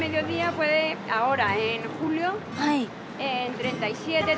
はい。